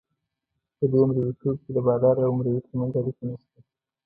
په دې مرییتوب کې د بادار او مریي ترمنځ اړیکه نشته.